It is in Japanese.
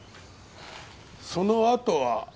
そのあとは？